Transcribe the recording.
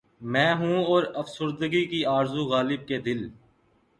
میں ہوں اور افسردگی کی آرزو غالبؔ کہ دل